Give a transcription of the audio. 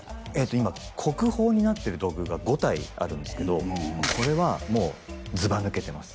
今国宝になってる土偶が５体あるんですけどこれはもうずば抜けてます